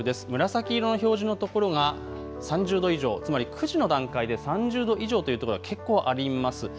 紫色の表示の所が３０度以上、つまり９時の段階で３０度以上というところが結構あります。